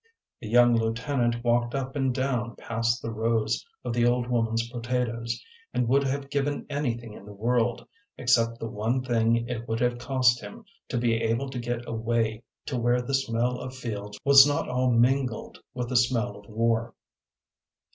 The young lieutenant walked up and down past the rows of the old woman's potatoes, and would have given anything in the world, except the one thing it would have cost him, to be able to get away to where the smell of fields was not all min gled with the smell of war.